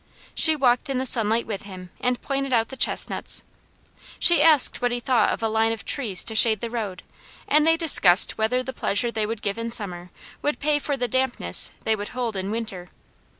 She walked in the sunlight with him and pointed out the chestnuts. She asked what he thought of a line of trees to shade the road, and they discussed whether the pleasure they would give in summer would pay for the dampness they would hold in winter.